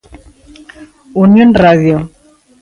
Unión Radio.